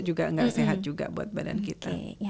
juga nggak sehat juga buat badan kita